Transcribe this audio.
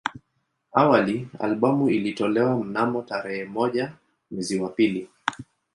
Awali albamu ilitolewa mnamo tarehe moja mwezi wa pili